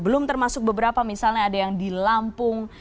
belum termasuk beberapa misalnya ada yang di lampung